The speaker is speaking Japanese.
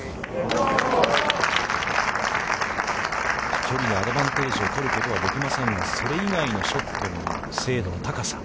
飛距離のアドバンテージを取ることはできませんが、それ以外のショットの精度の高さ。